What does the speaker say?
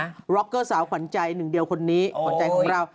ร็อกเกอร์สาวขวัญใจหนึ่งเดียวคนนี้ขวัญใจของเรา